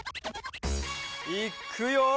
いっくよ！